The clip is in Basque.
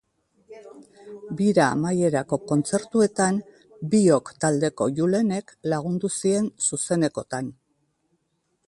Bira amaierako kontzertuetan Biok taldeko Julenek lagundu zien zuzenekoetan.